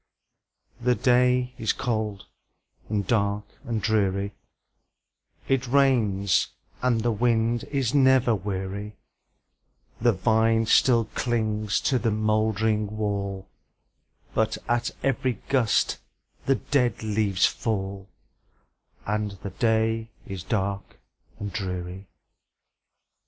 The day is cold, and dark, and dreary; It rains, and the wind is never weary; The vine still clings to the moldering wall, But at every gust the dead leaves fall, And the day is dark and dreary.